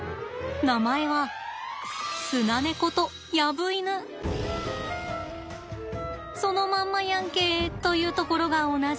名前はそのまんまやんけ！というところが同じ。